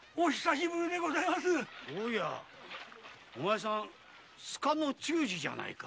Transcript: お前さん須賀の忠次じゃないか。